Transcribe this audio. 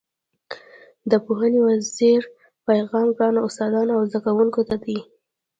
د پوهنې د وزیر پیغام ګرانو استادانو او زده کوونکو ته دی.